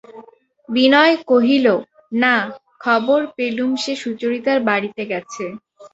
বিনয় কহিল, না, খবর পেলুম সে সুচরিতার বাড়িতে গেছে।